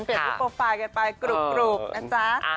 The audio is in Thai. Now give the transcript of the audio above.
เปลี่ยนรูปโปรไฟล์กันไปกรุบนะจ๊ะ